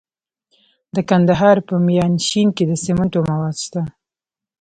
د کندهار په میانشین کې د سمنټو مواد شته.